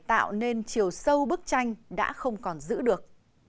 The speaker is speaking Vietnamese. tạo nên chiều sâu bức tranh đã không còn giữ được